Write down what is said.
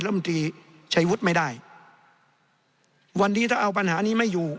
ลำตีชัยวุฒิไม่ได้วันนี้ถ้าเอาปัญหานี้ไม่อยู่